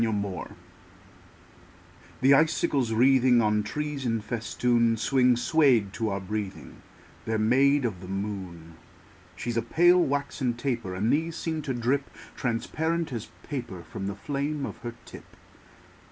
SILVER FILIGREE The icicles wreathing On trees in festoon Swing, swayed to our breathing: They're made of the moon. She's a pale, waxen taper; And these seem to drip Transparent as paper From the flame of her tip.